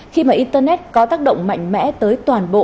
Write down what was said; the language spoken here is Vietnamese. khi mà internet có tác động mạnh mẽ tới toàn bộ